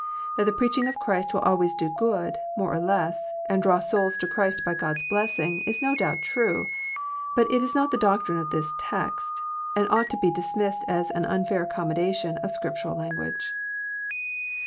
That the preaching of Christ will always do good, more or less, and draw sonls to Christ by God's blessing, Is no donbt trne. But it is not the doctrine of this text, and ought to be dismissed as an nnfair accommodation of Scriptural language.